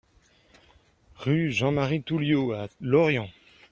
Rue Jean-Marie Toulliou à Lorient